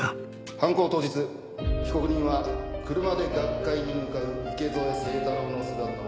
犯行当日被告人は車で学会に向かう池添清太郎の姿を目視で確認。